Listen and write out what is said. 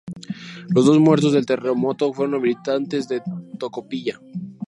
Los dos muertos del terremoto fueron habitantes de Tocopilla.